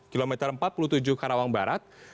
kilometer empat puluh tujuh karawang barat